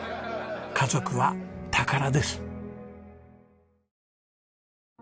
家族は宝です。